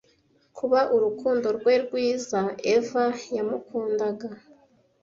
kuba urukundo rwe rwiza eva yamukundaga